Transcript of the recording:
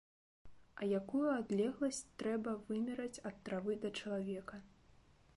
А якую адлегласць трэба вымераць ад травы да чалавека?!